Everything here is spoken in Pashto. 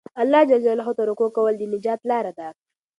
الله ته رجوع کول د نجات لاره ده.